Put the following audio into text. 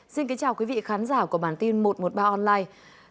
xin kính chào quý vị khán giả của bản tin một trăm một mươi ba online